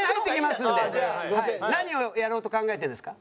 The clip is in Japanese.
何をやろうと考えてるんですか？